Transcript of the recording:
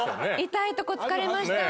痛いとこつかれました。